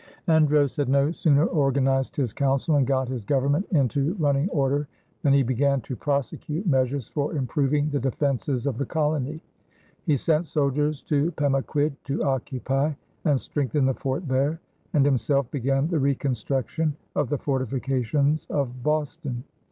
Andros had no sooner organized his council and got his government into running order than he began to prosecute measures for improving the defenses of the colony. He sent soldiers to Pemaquid to occupy and strengthen the fort there, and himself began the reconstruction of the fortifications of Boston.